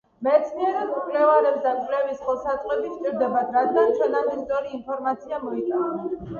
მეცნიერებს და მკვლევარებს კვლევის ხელსაწყოები სჭირდებათ რადგან ჩვენამდე სწორი ინფორმაცია მოიტანონ